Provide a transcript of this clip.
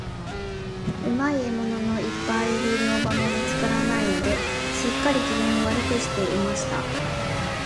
うまい獲物のいっぱいいる猟場も見つからないので、すっかり、機嫌を悪くしていました。